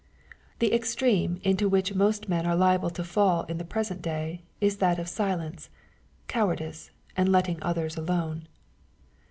The extreme into which most men are liable to fall in the present day, is that of silence, cowardice, and letting others alone.